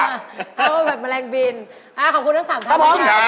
เขาเป็นแบบแมลงบินขอบคุณระสาปอย่างใกล้ไม่เป็นไร